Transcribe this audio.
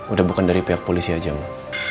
udah bukan dari pihak polisi aja mbak